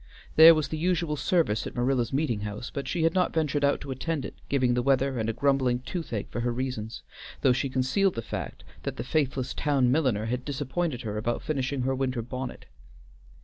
There was the usual service at Marilla's meeting house, but she had not ventured out to attend it, giving the weather and a grumbling toothache for her reasons, though she concealed the fact that the faithless town milliner had disappointed her about finishing her winter bonnet.